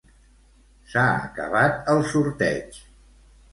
S'ha acabat el sorteig.